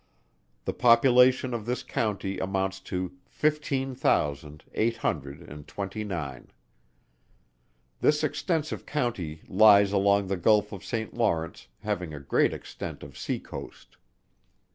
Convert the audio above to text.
The population of this county amounts to fifteen thousand eight hundred and twenty nine. This extensive county lies along the Gulph of Saint Lawrence having a great extent of sea coast.